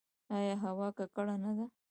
آیا هوا ککړه نه ده؟